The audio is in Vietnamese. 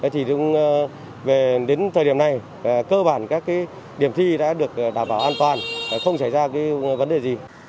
thì đến thời điểm này cơ bản các điểm thi đã được đảm bảo an toàn không xảy ra vấn đề gì